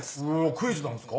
クイズなんすか？